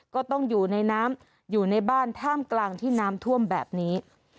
ก็ต้องอยู่ในน้ำอยู่ในบ้านท่ามกลางที่น้ำท่วมแบบนี้